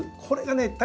これがね